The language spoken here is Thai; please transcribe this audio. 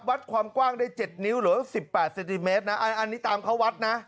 วัดความกว้างได้๗นิ้วหรือว่า๑๘เซนติเมตรนะอันนี้ตามเขาวัดนะ